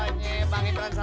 ya ini balik lah kita